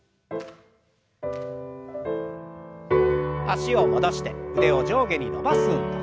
脚を戻して腕を上下に伸ばす運動。